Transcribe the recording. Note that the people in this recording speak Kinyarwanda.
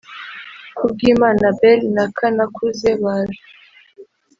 Kubwimana Abel na Kanakuze baje